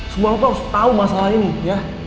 semua lo tuh harus tau masalah ini ya